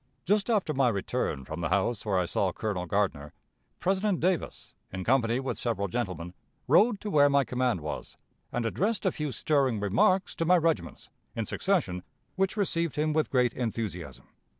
Just after my return from the house where I saw Colonel Gardner, President Davis, in company with several gentlemen, rode to where my command was, and addressed a few stirring remarks to my regiments, in succession, which received him with great enthusiasm.